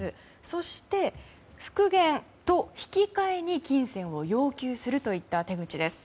そして、復元と引き換えに金銭を要求するといった手口です。